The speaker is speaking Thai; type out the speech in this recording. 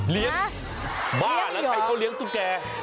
เลี้ยงบ้าแล้วใครเขาเลี้ยงตุ๊กแก่